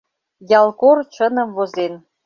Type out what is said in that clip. Ялкор чыным возен.